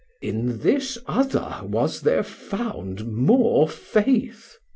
In this other was there found More Faith?